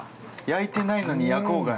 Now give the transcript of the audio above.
焼いてないのに夜光貝？